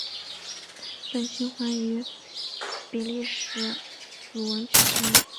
本循环于比利时鲁汶举行。